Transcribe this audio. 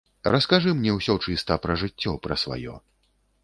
Раскажы мне ўсё чыста пра жыццё пра сваё.